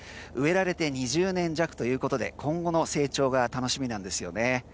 植えられて２０年弱ということで今後の成長が楽しみなんですよね。